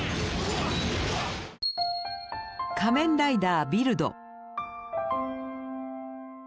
「仮面ライダービルド」。